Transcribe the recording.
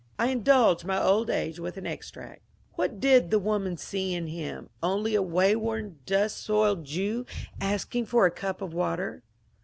I indulge my old age with an extract :— What did the woman see in him? Only a wayworn dust soiled Jew asking for a cup of water.